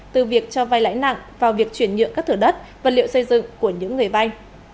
từ việc cho vai lãi nặng vào việc chuyển nhượng các thửa đất vật liệu xây dựng của những người vay